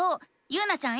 ゆうなちゃん